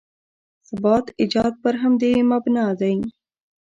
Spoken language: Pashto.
ثبات ایجاد پر همدې مبنا دی.